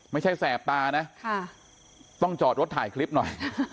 แสบตานะต้องจอดรถถ่ายคลิปหน่อย